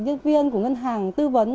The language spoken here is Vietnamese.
nhân viên của ngân hàng tư vấn